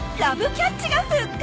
キャッチが復活！